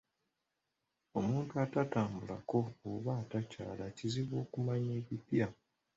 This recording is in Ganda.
Omuntu atatambulako oba atakyala kizibu okumanya ebipya.